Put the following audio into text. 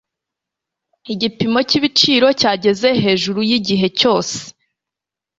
Igipimo cyibiciro cyageze hejuru yigihe cyose.